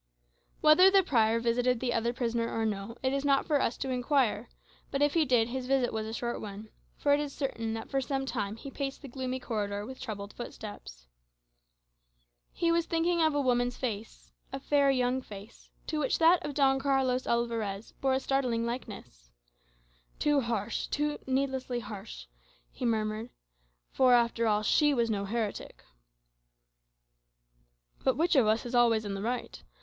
Whether the prior visited the other prisoner or no, it is not for us to inquire; but if he did, his visit was a short one; for it is certain that for some time he paced the gloomy corridor with troubled footsteps. He was thinking of a woman's face, a fair young face, to which that of Don Carlos Alvarez wore a startling likeness. "Too harsh, needlessly harsh," he murmured; "for, after all, she was no heretic. But which of us is always in the right?